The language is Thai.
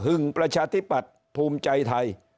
หึ่งประชาธิบัติภูมิใจไทย